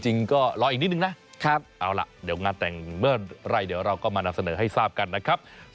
จริงก็รออีกนิดนึงนะเอาล่ะเดี๋ยวงานแต่งเมื่อไหร่เดี๋ยวเราก็มานำเสนอให้ทราบกันนะครับ